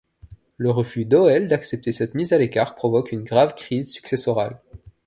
Le refus d'Hoël d'accepter cette mise à l'écart provoque une grave crise successorale.